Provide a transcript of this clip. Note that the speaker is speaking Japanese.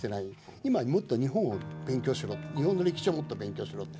今もっと日本を勉強しろ、日本の歴史をもっと勉強しろ。